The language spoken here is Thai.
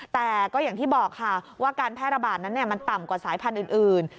แต่ก็อย่างที่บอกค่ะว่าการแพร่ระบาดนั้นมันต่ำกว่าสายพันธุ์อื่น